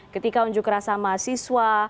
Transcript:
ketika unjuk rasa mahasiswa